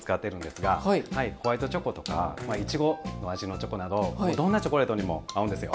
ホワイトチョコとかイチゴの味のチョコなどどんなチョコレートにも合うんですよ。